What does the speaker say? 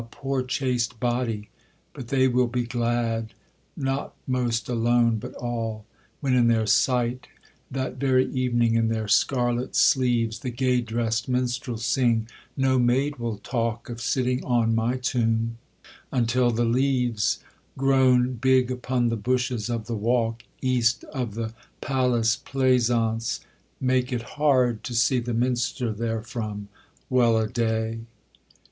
poor chaste body!' but they will be glad, Not most alone, but all, when in their sight That very evening in their scarlet sleeves The gay dress'd minstrels sing; no maid will talk Of sitting on my tomb, until the leaves, Grown big upon the bushes of the walk, East of the Palace pleasaunce, make it hard To see the minster therefrom: well a day!